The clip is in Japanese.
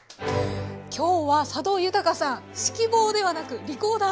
今日は佐渡裕さん指揮棒ではなくリコーダー。